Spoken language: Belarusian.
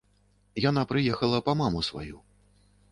Яна прыехала па маму сваю.